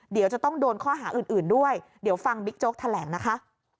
เดี๋ยวจะต้องโดนข้อหาอื่นด้วยเดี๋ยวฟังบิ๊กโจ๊กแถลงนะคะ